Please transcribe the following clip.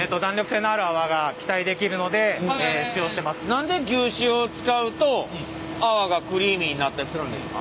何で牛脂を使うと泡がクリーミーになったりするんですか？